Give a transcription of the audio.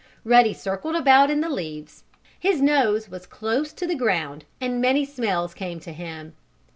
Ruddy circled about in the leaves. His nose was close to the ground, and many smells came to him.